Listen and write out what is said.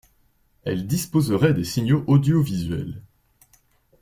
Elle disposerait des signaux audiovisuels